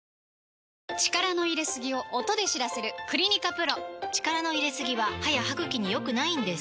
力の入れすぎを音で知らせる「クリニカＰＲＯ」力の入れすぎは歯や歯ぐきに良くないんです